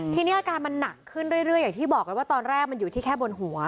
ทีนี้อาการมันหนักขึ้นเรื่อยอย่างที่บอกกันว่าตอนแรกมันอยู่ที่แค่บนหัว